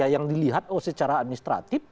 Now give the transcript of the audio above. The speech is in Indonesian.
yang dilihat secara administratif